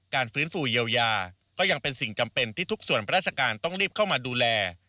ฟื้นฟูเยียวยาก็ยังเป็นสิ่งจำเป็นที่ทุกส่วนราชการต้องรีบเข้ามาดูแล